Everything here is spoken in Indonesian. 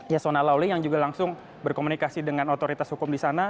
yasona lawli yang juga langsung berkomunikasi dengan otoritas hukum di sana